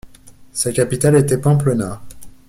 Sa capitale était Pamplona.